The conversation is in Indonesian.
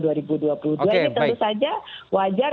ini tentu saja wajar